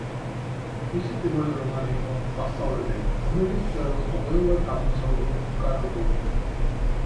მისი პირველი რომანი იყო „მასწავლებელი“ რომელიც მწერალს ყველა გამომცემლობამ უკანვე დაუბრუნა.